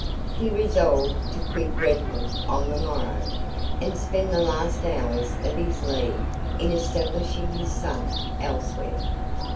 He resolved to quit Redford on the morrow, and spend the last hours of his leave in establishing his son elsewhere.